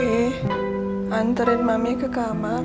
anterin mami ke kamar